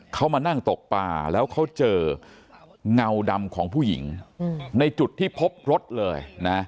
เขามานั่งตกป่าแล้วเขาเจอเงาดำของผู้หญิงในจุดที่พบรถเลยนะ